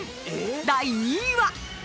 ［第２位は］